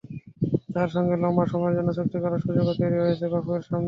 তাঁর সঙ্গে লম্বা সময়ের জন্য চুক্তি করার সুযোগও তৈরি হয়েছে বাফুফের সামনে।